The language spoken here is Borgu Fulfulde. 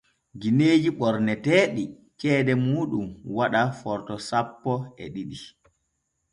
Gineeji ɓorneteeɗi ceede muuɗum waɗa Forto sappo e ɗiɗi.